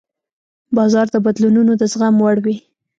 بازار د بدلونونو د زغم وړ وي.